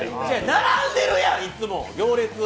並んでるやん、いつも、行列。